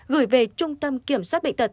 gửi về trung tâm kiểm soát bệnh tật